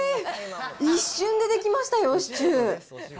一瞬で出来ましたよ、シチュー。